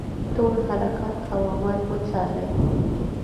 ټول حرکات او اعمال وڅاري.